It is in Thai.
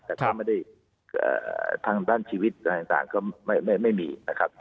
แต่ก็ไม่ได้ทางด้านชีวิตอะไรต่างก็ไม่มีนะครับ